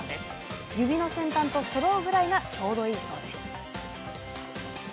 指の先端と、そろうぐらいがちょうどいいんです。